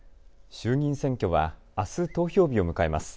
衆議院選挙は、あす投票日を迎えます。